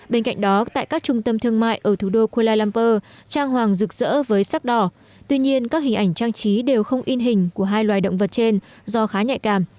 bên cạnh đó tại các trung tâm thương mại ở thủ đô kuala lumpur trang hoàng rực rỡ với sắc đỏ tuy nhiên các hình ảnh trang trí đều không in hình